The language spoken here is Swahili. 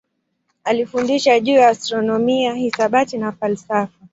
Alifundisha juu ya astronomia, hisabati na falsafa.